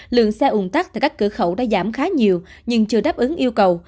lượng xe ủn tắc tại các cửa khẩu đã giảm khá nhiều nhưng chưa đáp ứng yêu cầu